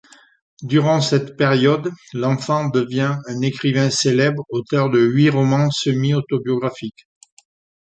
Durant cette période, l'enfant devient un écrivain célèbre, auteur de huit romans semi-autobiographiques.